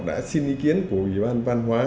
đã xin ý kiến của ủy ban văn hóa